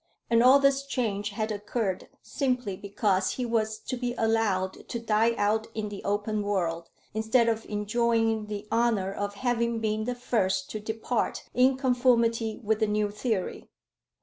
And all this change had occurred simply because he was to be allowed to die out in the open world, instead of enjoying the honour of having been the first to depart in conformity with the new theory.